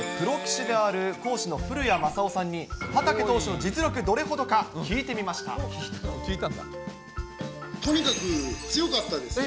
プロ棋士である講師の古家正大さんに、畠投手の実力、どれほどか、とにかく強かったですね。